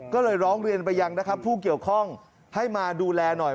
ก็เลยร้องเรียนไปยังนะครับผู้เกี่ยวข้องให้มาดูแลหน่อย